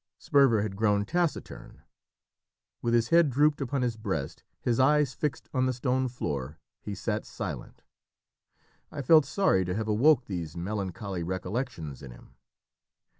Sperver had grown taciturn. With his head drooped upon his breast, his eyes fixed on the stone floor, he sat silent. I felt sorry to have awoke these melancholy recollections in him.